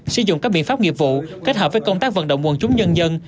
sử dụng các biện pháp nghiệp vụ kết hợp với công tác vận động quần chúng nhân dân